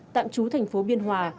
tạm trú thành phố biên hòa